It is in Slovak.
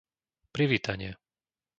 Privítanie